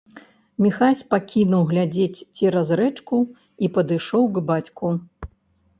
Міхась пакінуў глядзець цераз рэчку і падышоў к бацьку.